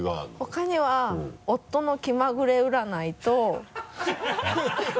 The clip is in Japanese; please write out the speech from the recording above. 他には夫の気まぐれ占いとハハハ